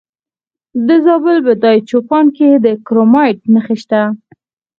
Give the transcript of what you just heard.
د زابل په دایچوپان کې د کرومایټ نښې شته.